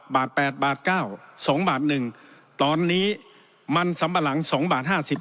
บาทแปดบาทเก้าสองบาทหนึ่งตอนนี้มันสัมปะหลังสองบาทห้าสิบ